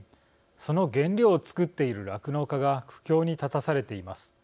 その原料を作っている酪農家が苦境に立たされています。